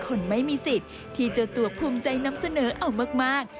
คนไม่มีสิทธิ์ที่เจ้าตัวภูมิใจนำเสนอเอามาก